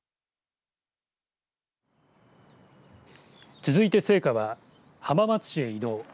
続いて聖火は浜松市へ移動。